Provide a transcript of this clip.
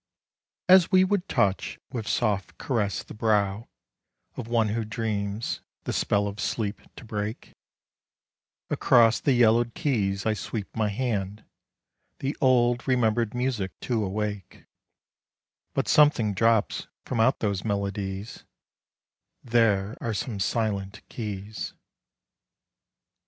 AS we would touch with soft caress the brow Of one who dreams, the spell of sleep to break, Across the yellowed keys I sweep my hand, The old, remembered music to awake; But something drops from out those melodies There are some silent keys.